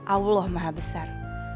allah maha besar